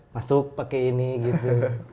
masuk pake ini gitu